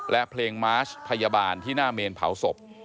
และเพลงมาร์ชพยาบาลที่หน้าเมนเผาศพ